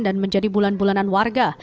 dan menjadi bulan bulanan warga